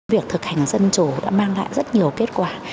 việc thực hành dân chủ đã mang lại rất nhiều kết quả